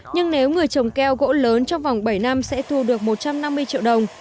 nhưng nếu người trồng keo gỗ lớn trong vòng bảy năm sẽ thu được một trăm năm mươi triệu đồng